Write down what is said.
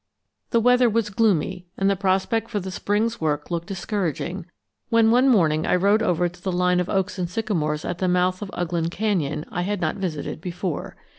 The weather was gloomy and the prospect for the spring's work looked discouraging, when one morning I rode over to the line of oaks and sycamores at the mouth of Ughland canyon I had not visited before.